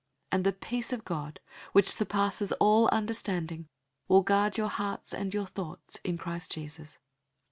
004:007 And the peace of God, which surpasses all understanding, will guard your hearts and your thoughts in Christ Jesus.